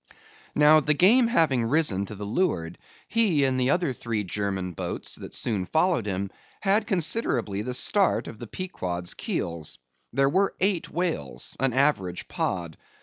Now, the game having risen to leeward, he and the other three German boats that soon followed him, had considerably the start of the Pequod's keels. There were eight whales, an average pod.